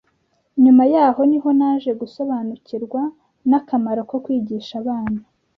Nyuma yaho niho naje gusobanukirwa n'akamaro ko kwigisha abana